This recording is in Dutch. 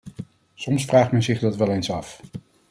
Soms vraagt men zich dat wel eens af.